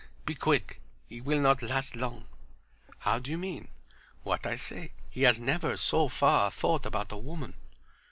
Be quick; he will not last long." "How do you mean?" "What I say. He has never, so far, thought about a woman."